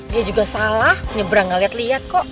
dia juga salah nyebra gak liat liat kok